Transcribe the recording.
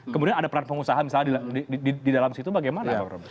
kemudian ada peran pengusaha misalnya di dalam situ bagaimana bang rob